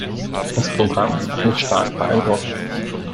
Das Programm hat mich stark beeindruckt.